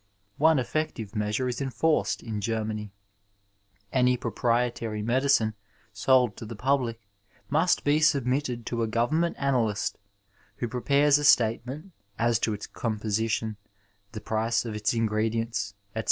One effective measure is enforced in Germany : any proprietary medicine sold to the public must be submitted to a government analyst, who prepares a statement (as to its composition, the price of its ingredients, etc.)